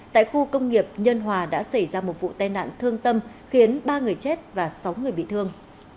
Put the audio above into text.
tại khu công nghiệp nhân hòa đã xảy ra một vụ tai nạn thương tâm khiến ba người chết và sáu người bị thương